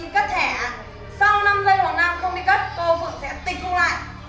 sau năm giây hoàng nam không đi cất cô phượng sẽ tịch thu lại